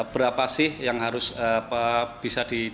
berapa sih yang harus bisa di